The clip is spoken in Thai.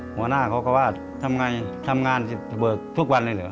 หัวหน้าเขาก็ว่าทำไงทำงานเบิกทุกวันเลยเหรอ